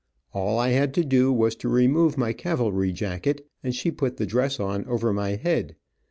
All I had to do was to remove my cavalry jacket, and she put the dress on over my head.